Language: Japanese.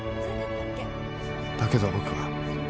だけど僕は